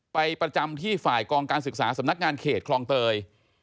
ประจำที่ฝ่ายกองการศึกษาสำนักงานเขตคลองเตย